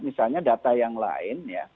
misalnya data yang lain